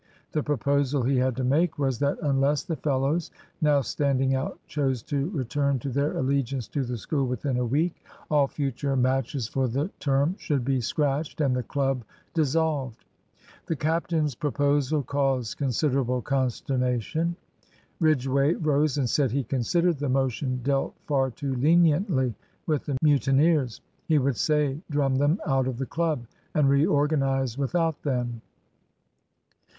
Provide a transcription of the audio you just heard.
The proposal he had to make was that unless the fellows now standing out chose to return to their allegiance to the School within a week, all future matches for the term should be scratched, and the club dissolved. The captain's proposal caused considerable consternation. Ridgway rose, and said he considered the motion dealt far too leniently with the mutineers. He would say, drum them out of the club, and reorganise without them.